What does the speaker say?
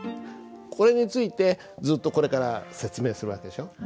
これについてずっとこれから説明する訳でしょ？